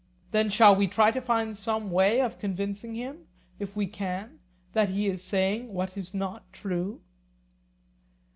Then shall we try to find some way of convincing him, if we can, that he is saying what is not true?